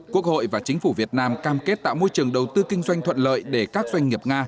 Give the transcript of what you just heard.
quốc hội và chính phủ việt nam cam kết tạo môi trường đầu tư kinh doanh thuận lợi để các doanh nghiệp nga